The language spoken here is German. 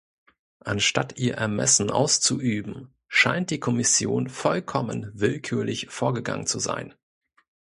Anstatt ihr Ermessen auszuüben, scheint die Kommission vollkommen willkürlich vorgegangen zu sein.